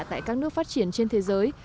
tại các nước phát triển trên thế giới